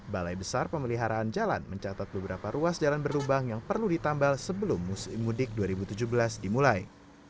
balai besar pemeliharaan jalan mencatat beberapa ruas jalan berlubang yang perlu ditambal sebelum musim mudik dua ribu tujuh belas dimulai